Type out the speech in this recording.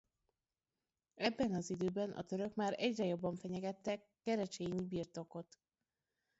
Ebben az időben a török már egyre jobban fenyegette a Kerecsényi birtokot.